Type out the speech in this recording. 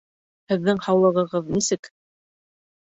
Һеҙҙең һаулығығыҙ нисек?